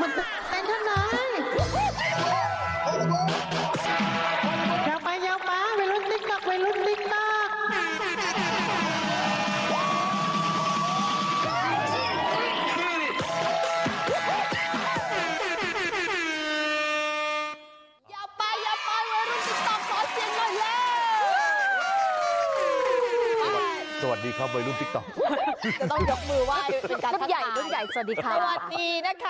หานเริ่มหมดเนี่ยไวรุ่นท่าน